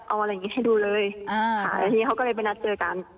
เอาอะไรอย่างนี้ให้ดูเลยอ่าค่ะแล้วทีนี้เขาก็เลยไปนัดเจอกัน